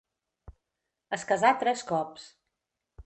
Es casà tres cops.